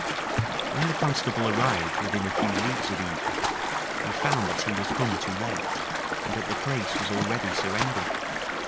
When the constable arrived within a few leagues of Yvri, he found that he was come too late, and that the place was already surrendered.